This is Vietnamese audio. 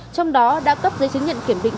trong đó đã cấp giấy chứng nhận kiểm định